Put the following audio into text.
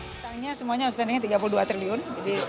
utangnya semuanya tiga puluh dua triliun